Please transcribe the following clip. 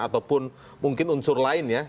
ataupun mungkin unsur lain ya